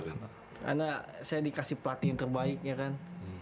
karena saya dikasih pelatih yang terbaik ya kan